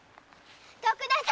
徳田様！